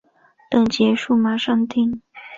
等结束马上订